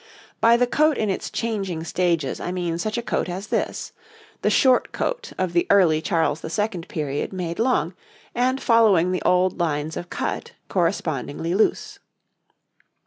By the coat in its changing stages I mean such a coat as this: the short coat of the early Charles II. period made long, and, following the old lines of cut, correspondingly loose.